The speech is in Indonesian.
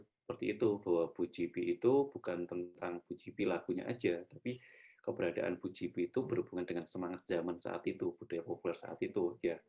pemerintah yang berpengalaman di zaman saat itu budaya populer saat itu